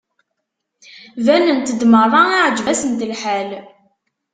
Banent-d merra iεǧeb-asent lḥal.